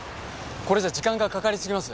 これじゃ時間が掛かりすぎます。